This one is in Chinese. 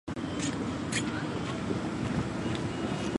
白俄罗斯加盟苏联前时并没有国歌。